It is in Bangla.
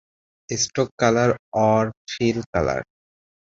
স্টোক কালার আর ফিল কালার।